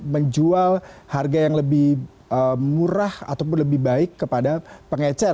menjual harga yang lebih murah ataupun lebih baik kepada pengecer